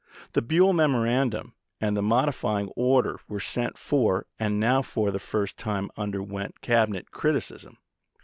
The Buell memorandum and the modifying order were sent for, and now for the first time underwent Cabinet criticism.